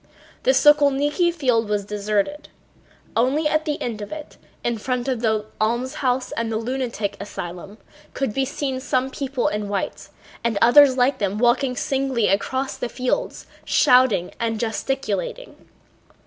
The Sokólniki field was deserted. Only at the end of it, in front of the almshouse and the lunatic asylum, could be seen some people in white and others like them walking singly across the field shouting and gesticulating.